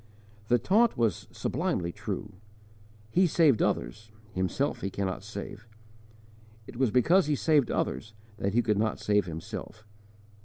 The taunt was sublimely true: "He saved others, Himself He cannot save"; it was because he saved others that He could not save Himself.